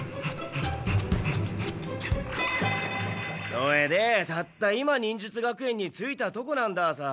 それでたった今忍術学園に着いたとこなんださ。